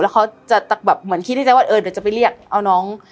แล้วเขาจะแบบเหมือนคิดในใจว่าเออเดี๋ยวจะไปเรียกเอาน้อง